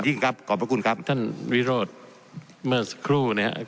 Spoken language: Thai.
ครับขอบพระคุณครับท่านวิโรธเมื่อสักครู่นะครับ